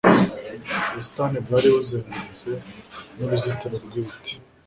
Ubusitani bwari buzengurutswe nuruzitiro rwibiti.